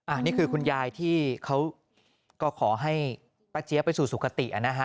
อันนี้คือคุณยายที่เขาก็ขอให้ป้าเจี๊ยบไปสู่สุขตินะฮะ